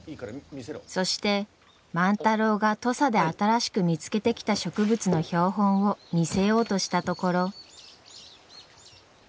そして万太郎が土佐で新しく見つけてきた植物の標本を見せようとしたところ。